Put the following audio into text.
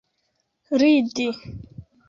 ridi